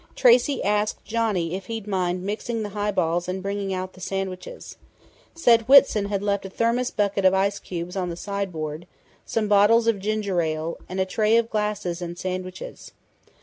Tracey asked Johnny if he'd mind mixing the highballs and bringing out the sandwiches. Said Whitson had left a thermos bucket of ice cubes on the sideboard, some bottles of ginger ale, and a tray of glasses and sandwiches.